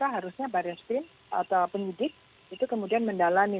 harusnya baris krim atau penyidik itu kemudian mendalami